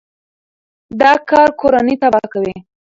دا کار کورنۍ تباه کوي.